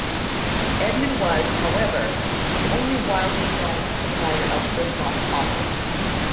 Edmund was, however, the only widely known supplier of surplus optics.